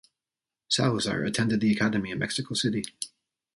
Salazar attended the Academy in Mexico City.